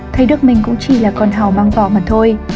thấy được mình cũng chỉ là con hàu mang vò mà thôi